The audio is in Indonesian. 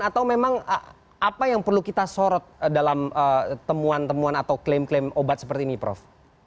atau memang apa yang perlu kita sorot dalam temuan temuan atau klaim klaim obat seperti ini prof